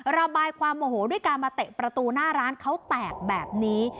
ระบายความโมโหด้วยการมาเตะประตูหน้าร้านเขาแตกแบบนี้